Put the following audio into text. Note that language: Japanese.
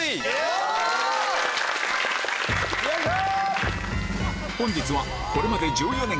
よいしょ！